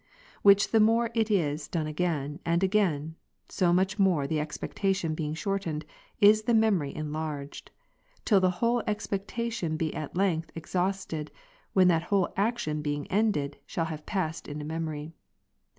Which the more it is done again and again, so much the more the expectation being shortened, is the memory enlarged; till the whole expectation be at length exhausted, when that whole action being ended, shall have passed into memory.